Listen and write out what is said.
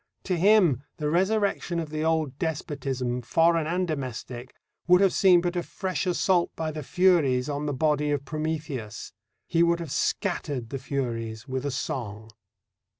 To him the resurrection of the old despotism, foreign and domestic, would have seemed but a fresh assault by the Furies on the body of Prometheus. He would have scattered the Furies with a song.